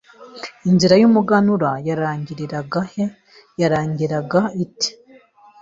Inzira y’umuganura yarangiriraga he Yarangiraga ite